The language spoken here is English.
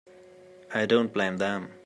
I don't blame them.